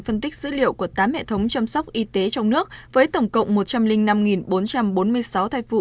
phân tích dữ liệu của tám hệ thống chăm sóc y tế trong nước với tổng cộng một trăm linh năm bốn trăm bốn mươi sáu thai phụ